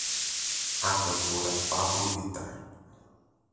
A cantora Pablo Vittar